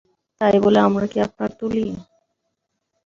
তাই বলে আমরা কি আপনার তুলি?